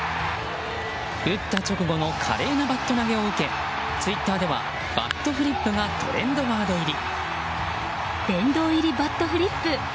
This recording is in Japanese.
打った直後の華麗なバット投げを受けツイッターではバットフリップがトレンドワード入り。